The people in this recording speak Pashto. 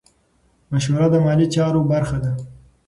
مشوره د مالي چارو برخه ده.